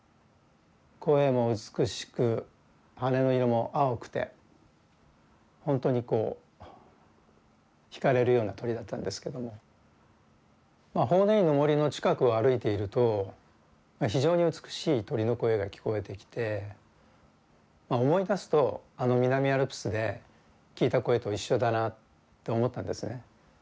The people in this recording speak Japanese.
声も美しく羽の色も青くて本当にこう惹かれるような鳥だったんですけどもまあ法然院の森の近くを歩いていると非常に美しい鳥の声が聞こえてきて思い出すとあの南アルプスで聞いた声と一緒だなって思ったんですね。